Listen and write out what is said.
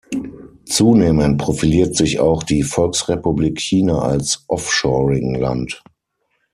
Zunehmend profiliert sich auch die Volksrepublik China als Offshoring-Land.